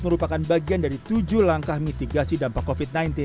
merupakan bagian dari tujuh langkah mitigasi dampak covid sembilan belas